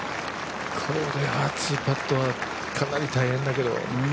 これは２パットはかなり大変だけど。